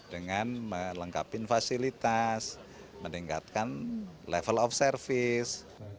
dengan melengkapi fasilitas meningkatkan level of service